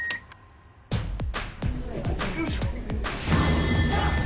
よいしょ。